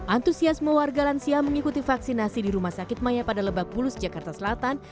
antusiasme warga lansia mengikuti vaksinasi di rumah sakit maya pada lebak bulus jakarta selatan